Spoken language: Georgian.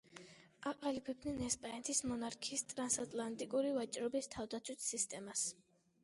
აყალიბებდნენ ესპანეთის მონარქიის ტრანსატლანტიკური ვაჭრობის თავდაცვით სისტემას.